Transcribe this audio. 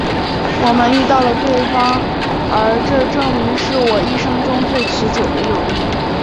我们遇到了对方而这证明是我一生中最持久的友谊。